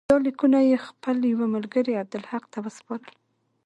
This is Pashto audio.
دا لیکونه یې خپل یوه ملګري عبدالحق ته وسپارل.